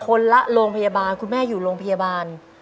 ละโรงพยาบาลคุณแม่อยู่โรงพยาบาล